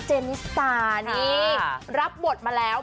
นิสตานี่รับบทมาแล้ว